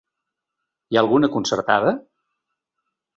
Hi ha alguna concertada?